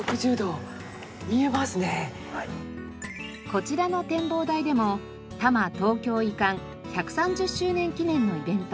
こちらの展望台でも多摩東京移管１３０周年記念のイベント